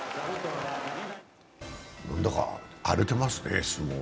何だか荒れてますね、相撲。